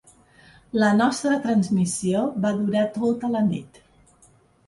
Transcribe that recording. La nostra transmissió va durar tota la nit.